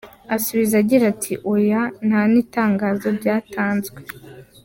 Asubiza agira ati “oya, nta n’itangazo ryatanzwe.